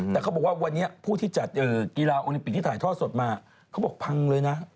แต่เขาบอกว่าวันนี้ผู้ที่จัดกีฬาโอลิมปิกที่ถ่ายทอดสดมาเขาบอกพังเลยนะ